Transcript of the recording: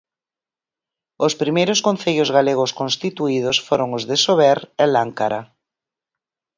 Os primeiros concellos galegos constituídos foron os de Sober e Láncara.